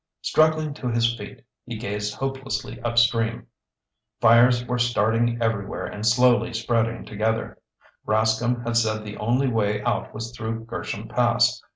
Struggling to his feet, he gazed hopelessly upstream. Fires were starting everywhere and slowly spreading together. Rascomb had said the only way out was through Gersham Pass.